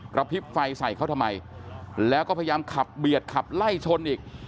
พริบไฟใส่เขาทำไมแล้วก็พยายามขับเบียดขับไล่ชนอีก